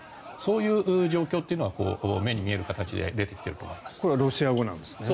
そういう状況っていうのが目に見える形で出てきていると思います。